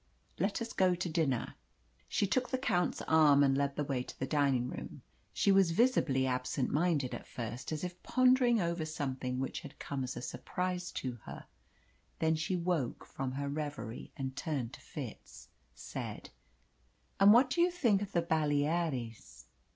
Let us go to dinner." She took the Count's arm, and led the way to the dining room. She was visibly absent minded at first, as if pondering over something which had come as a surprise to her. Then she woke from her reverie, and, turning to Fitz, said "And what do you think of the Baleares?"